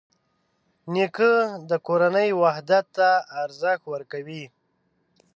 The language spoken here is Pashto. نیکه د کورنۍ وحدت ته ارزښت ورکوي.